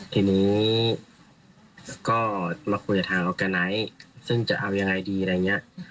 ทีนี้ก็มาคุยกับทางออร์แกไนท์ซึ่งจะเอายังไงดีอะไรอย่างนี้